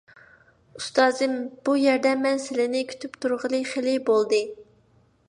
ئۇستازىم، بۇ يەردە مەن سىلىنى كۈتۈپ تۇرغىلى خېلى بولدى.